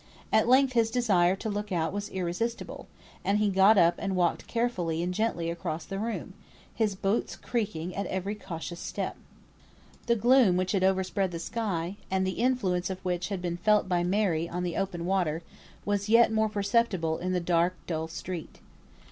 At length his desire to look out was irresistible, and he got up and walked carefully and gently across the room, his boots creaking at every cautious step. The gloom which had overspread the sky, and the influence of which had been felt by Mary on the open water, was yet more perceptible in the dark, dull street.